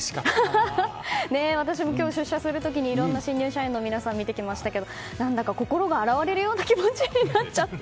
私も今日出社する時にいろいろな新入社員の皆さんを見てきましたが心が洗われるような気持になっちゃった。